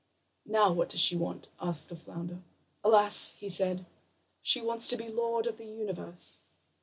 "Now, what does she want?" asked the flounder. "Alas," he said, "she wants to be Lord of the Universe."